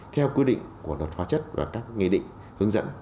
theo quy định của luật hóa chất và các nghị định hướng dẫn